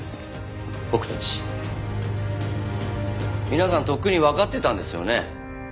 皆さんとっくにわかってたんですよね？